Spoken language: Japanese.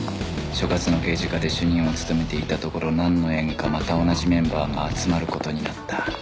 所轄の刑事課で主任を務めていたところなんの縁かまた同じメンバーが集まる事になった